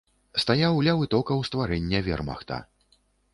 Стаяў ля вытокаў стварэння вермахта.